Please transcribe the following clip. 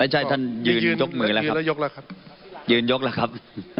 ท่านยืนยกมือแล้วครับยืนยกแล้วครับ